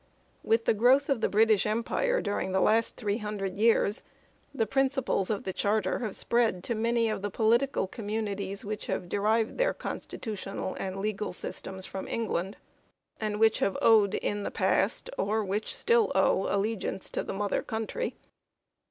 With the growth of the British Empire during the last three hundred years, the principles of the Charter have spread to many of the political communities which have derived their constitutional and legal systems from England, and which have owed in the past, or which still owe, allegiance to the mother country.